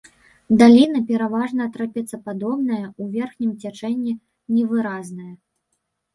Даліна пераважна трапецападобная, у верхнім цячэнні невыразная.